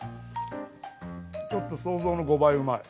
ちょっと想像の５倍うまい。